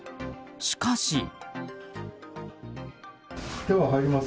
しかし。